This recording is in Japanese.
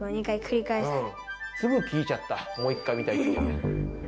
すぐ聞いちゃった、もう１回見たいって。